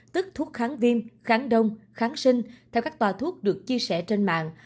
tức thuốc kháng viêm kháng đông kháng sinh theo các tòa thuốc được chia sẻ trên mạng